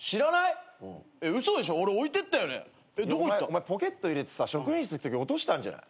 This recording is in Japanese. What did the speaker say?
お前ポケット入れて職員室行くとき落としたんじゃない？